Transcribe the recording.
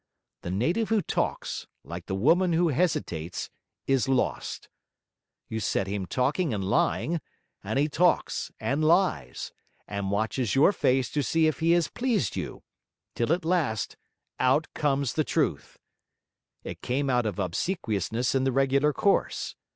The native who talks, like the woman who hesitates, is lost. You set him talking and lying; and he talks, and lies, and watches your face to see if he has pleased you; till at last, out comes the truth! It came out of Obsequiousness in the regular course.